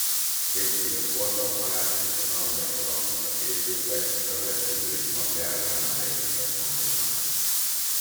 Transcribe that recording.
Dédszülők voltak már, és az aranylakodalmukra készültek, de az esküvőjük napjára nem emlékeztek pontosan.